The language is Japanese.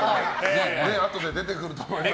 あとで出てくると思います。